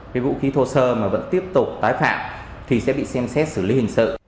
cái vũ khí thô sơ mà vẫn tiếp tục tái phạm thì sẽ bị xem xét xử lý hình sự